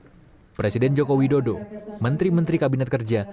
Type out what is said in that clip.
pertama presiden jokowi dodo menteri menteri kabinet kerja